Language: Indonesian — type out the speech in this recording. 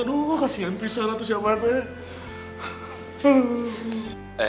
aduh kasihan pisau lah si abah